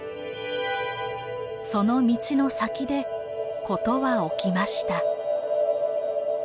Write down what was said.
その道の先で事は起きました。